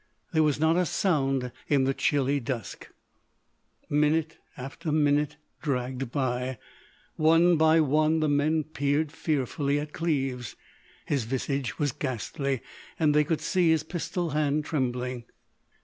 There was not a sound in the chilly dusk. Minute after minute dragged by. One by one the men peered fearfully at Cleves. His visage was ghastly and they could see his pistol hand trembling.